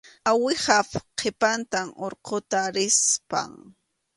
Uwihap qhipanta urquta rispam.